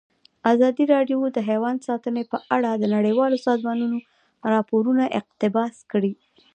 ازادي راډیو د حیوان ساتنه په اړه د نړیوالو سازمانونو راپورونه اقتباس کړي.